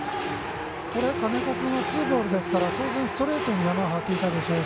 金子君はツーボールなので当然ストレートにヤマを張っていたでしょうし。